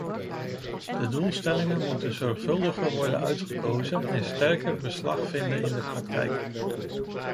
De doelstellingen moeten zorgvuldiger worden uitgekozen en sterker beslag vinden in de praktijk.